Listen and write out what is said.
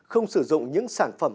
không sử dụng những sản phẩm